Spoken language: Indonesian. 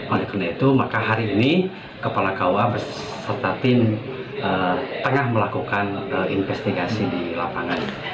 oleh karena itu maka hari ini kepala kua serta tim tengah melakukan investigasi di lapangan